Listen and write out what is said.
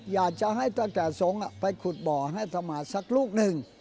อยากจะให้ตั้งแต่สงฆ์ไปขุดบ่อให้ธรรมาสักลูกหนึ่ง